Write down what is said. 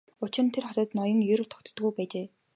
Учир нь тэр хотод ноён ер тогтдоггүй байжээ.